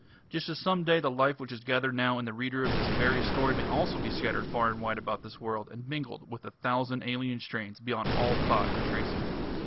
Just as some day the life which is gathered now in the reader of this very story may also be scattered far and wide about this world, and mingled with a thousand alien strains, beyond all thought and tracing.